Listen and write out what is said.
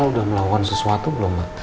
al udah melakukan sesuatu belum mbak